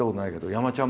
山ちゃん